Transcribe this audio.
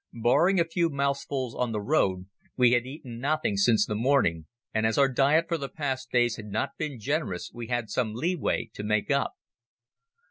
Barring a few mouthfuls on the road we had eaten nothing since the morning, and as our diet for the past days had not been generous we had some leeway to make up.